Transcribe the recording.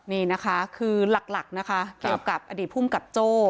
นี่นะคะคือหลักนะคะเกี่ยวกับอดีตภูมิกับโจ้